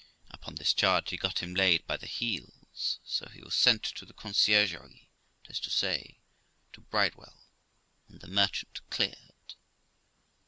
Upon this charge he got him laid by the heels ; so he was sent to the Conciergerie that is to say, to Bridewell and the merchant cleared.